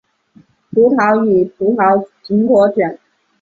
葡萄与苹果卷叶蛾是卷叶蛾科下的一种蛾。